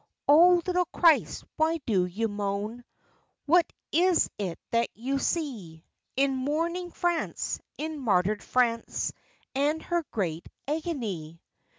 Oh little Christ, why do you moan, What is it that you see In mourning France, in martyred France, And her great agony?